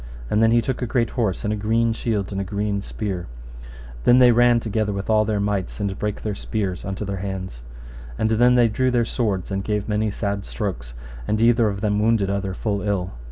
And then he took a great horse, and a green shield and a green spear. And then they ran together with all their mights, and brake their spears unto their hands. And then they drew their swords, and gave many sad strokes, and either of them wounded other full ill.